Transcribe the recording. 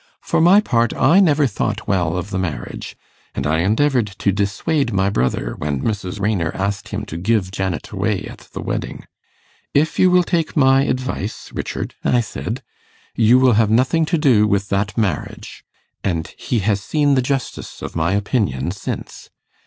For my part, I never thought well of the marriage; and I endeavoured to dissuade my brother when Mrs. Raynor asked him to give Janet away at the wedding. 'If you will take my advice, Richard,' I said, 'you will have nothing to do with that marriage.' And he has seen the justice of my opinion since.